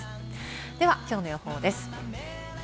ではきょうの予報です。